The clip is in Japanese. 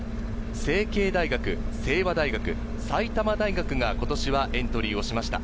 成蹊大学、清和大学、埼玉大学が今年はエントリーをしました。